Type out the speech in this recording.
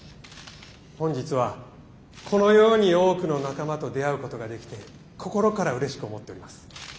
本日はこのように多くの仲間と出会うことができて心からうれしく思っております。